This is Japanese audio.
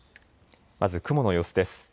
まず雲の様子です。